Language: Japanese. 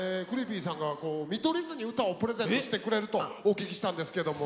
Ｃｒｅｅｐｙさんが見取り図に歌をプレゼントしてくれるとお聞きしたんですけども。